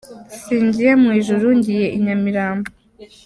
Singiye mu Ijuru ngiye i Nyamirambo